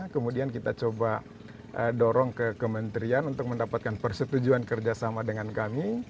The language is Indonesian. kemudian kita coba dorong ke kementerian untuk mendapatkan persetujuan kerjasama dengan kami